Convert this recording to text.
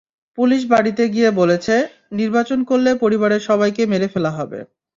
Police বাড়িতে গিয়ে বলেছে, নির্বাচন করলে পরিবারের সবাইকে মেরে ফেলা হবে।